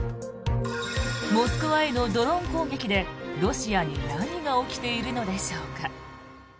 モスクワへのドローン攻撃でロシアに何が起きているのでしょうか。